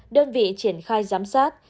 đơn vị triển khai giám sát